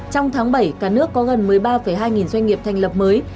trong tháng bảy cả nước có gần một mươi ba hai nghìn doanh nghiệp thành lập mới